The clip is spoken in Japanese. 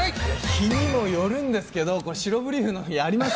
日にもよるんですけど白ブリーフの日、あります。